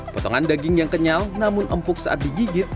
potongan daging yang kenyal namun empuk saat digigit